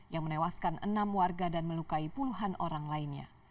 yang menewaskan enam warga dan melukai puluhan orang lainnya